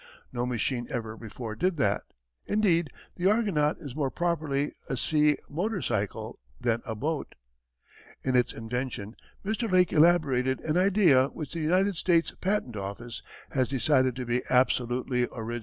No machine ever before did that. Indeed, the Argonaut is more properly a "sea motorcycle" than a "boat." In its invention Mr. Lake elaborated an idea which the United States Patent Office has decided to be absolutely original.